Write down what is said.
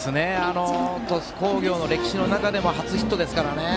鳥栖工業の歴史の中でも初ヒットですからね。